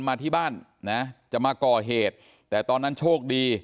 มาที่บ้านนะจะมาก่อเหตุแต่ตอนนั้นโชคดี